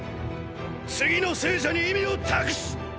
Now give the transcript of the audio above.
次の生者に意味を託す！！